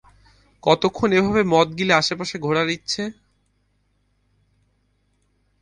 কতক্ষণ এভাবে মদ গিলে আশপাশে ঘোরার ইচ্ছে?